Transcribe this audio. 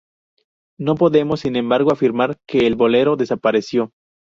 No podemos sin embargo afirmar que el bolero desapareció.